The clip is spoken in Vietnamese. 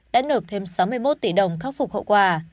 đã nộp thêm sáu mươi một tỷ đồng khắc phục hậu quả